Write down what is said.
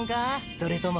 それとも。